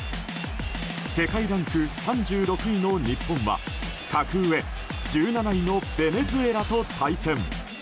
世界ランク３６位の日本は格上１７位のベネズエラと対戦。